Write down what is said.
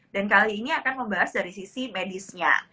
dan kali ini akan membahas dari sisi medisnya